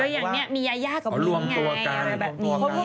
ก็อย่างนี้มียากับนี้ไงแบบนี้